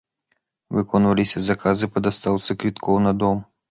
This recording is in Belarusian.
Выконваліся заказы па дастаўцы квіткоў на дом.